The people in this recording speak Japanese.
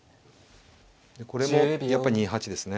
でこれもやっぱり２八ですね。